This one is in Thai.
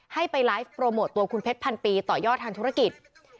ให้ไปไลฟ์โปรโมทตัวคุณเพชรพันปีต่อยอดทางธุรกิจ